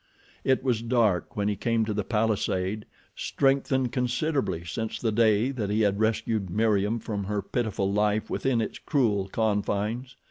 It was dark when he came to the palisade, strengthened considerably since the day that he had rescued Meriem from her pitiful life within its cruel confines.